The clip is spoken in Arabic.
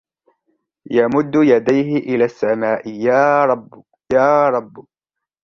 يَمُدُّ يَدَيْهِ إِلَى السَّماءِ يا رَبُّ.. يا رَبُّ،